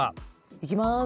いきます。